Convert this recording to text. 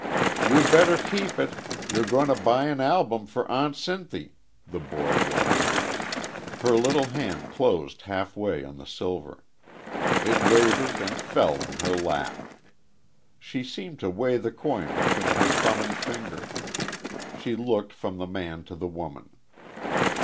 "You better keep it; you're going to buy an album for Aunt Sinthy," the boy warned her. Her little hand closed half way on the silver; it wavered and fell in her lap. She seemed to weigh the coin between her thumb and finger. She looked from the man to the woman.